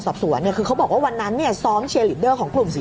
สอบสวนเนี้ยคือเขาบอกว่าวันนั้นเนี้ยซ้อมของกลุ่มสี่